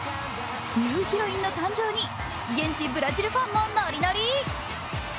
ニューヒロインの誕生に現地ブラジルファンもノリノリ。